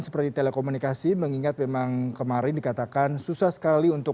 seperti telekomunikasi mengingat memang kemarin dikatakan susah sekali untuk